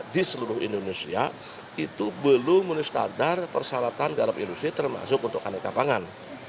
di seluruh indonesia itu belum menulis standar persyaratan garam industri termasuk untuk aneka pangan